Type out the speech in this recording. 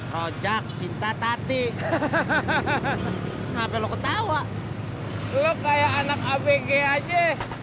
rojak cinta tadi hahaha kenapa lo ketawa lu kayak anak abg aja